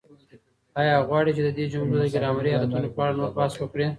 آیا غواړئ چې د دې جملو د ګرامري حالتونو په اړه نور بحث وکړو؟